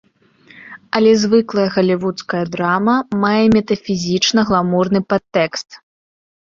Але звыклая галівудская драма мае метафізічна-гламурны падтэкст.